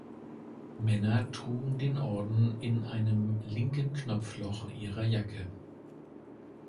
Männer trugen den Orden in einem linken Knopfloch ihrer Jacke.